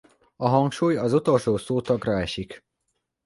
A hangsúly az utolsó szótagra esik.